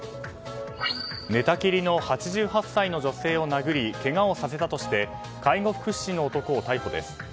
寝たきりの８８歳の女性を殴りけがをさせたとして介護福祉士の男を逮捕です。